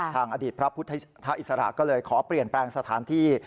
อดีตพระพุทธอิสระก็เลยขอเปลี่ยนแปลงสถานที่